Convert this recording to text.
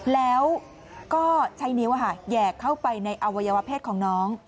แล้วก็ใช้นิ้วแหยกเข้าไปในอวัยวะเพศของน้อง